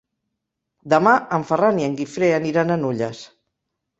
Demà en Ferran i en Guifré aniran a Nulles.